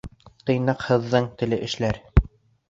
Тыйнаҡһыҙҙың теле эшләр.